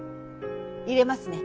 淹れますね。